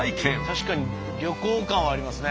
確かに旅行感はありますね。